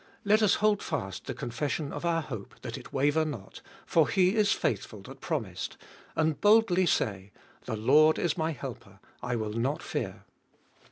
Let us hold fast the confession of our hope that it waver not, 524 abe Iboltest of ail for He is faithful that promised, and boldly say, The Lord is my helper, I will not fear.